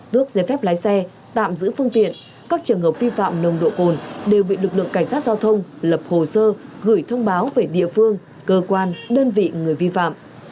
tước giấy phép lái xe tạm giữ phương tiện các trường hợp vi phạm nồng độ cồn đều bị lực lượng cảnh sát giao thông lập hồ sơ gửi thông báo về địa phương cơ quan đơn vị người vi phạm